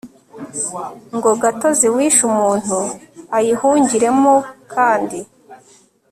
ngo gatozi wishe umuntu ayihungiremo kandi